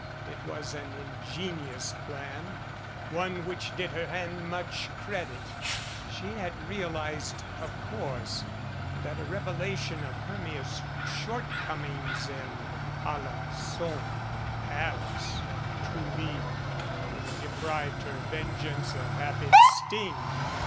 It was an ingenious plan, one which did her hand much credit. She had rea lized, of course, that a revelation of Hermia's shortcom ings in Alen9on, Paris or Trouville would have deprived 273 MADCAP her vengeance of half its sting.